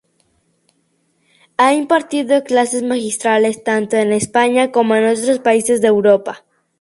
Ha impartido clases magistrales tanto en España como en otros países de Europa.